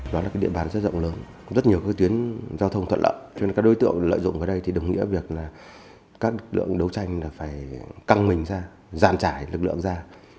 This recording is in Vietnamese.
đó là cái địa bàn rất rộng lớn rất nhiều cái tuyến giao thông thuận lợi cho nên các đối tượng lợi dụng ở đây thì đồng nghĩa việc là các lực lượng đấu tranh là phải căng mình ra giàn trải lực lượng ra